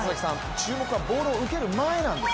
注目はボールを受ける前なんです。